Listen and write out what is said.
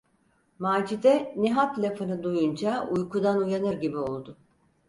Macide, Nihat lafını duyunca uykudan uyanır gibi oldu…